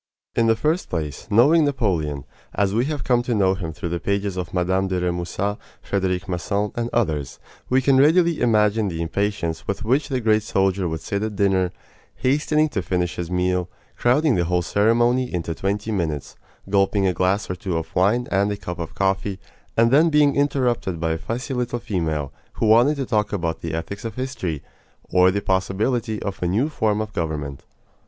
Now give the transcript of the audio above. In the first place, knowing Napoleon, as we have come to know him through the pages of Mme. de Remusat, Frederic Masson, and others, we can readily imagine the impatience with which the great soldier would sit at dinner, hastening to finish his meal, crowding the whole ceremony into twenty minutes, gulping a glass or two of wine and a cup of coffee, and then being interrupted by a fussy little female who wanted to talk about the ethics of history, or the possibility of a new form of government.